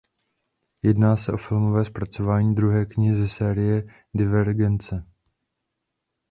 Jedná se o filmové zpracování druhé knihy z série "Divergence".